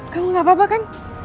kamu gak apa apa kan